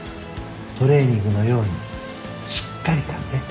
トレーニングのようにしっかり噛んで。